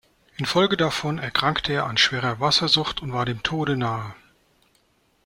In Folge davon erkrankte er an schwerer Wassersucht und war dem Tode nahe.